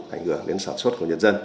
ảnh hưởng đến sản xuất của nhân dân